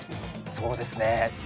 そうですね。